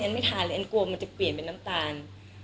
ไม่ทานเลยอันกลัวมันจะเปลี่ยนเป็นน้ำตาล